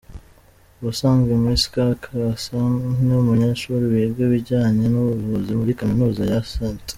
Ubusanzwe Misker Kassahun ni umunyeshuri wiga ibijyanye n’ubuvuzi muri kaminuza ya St.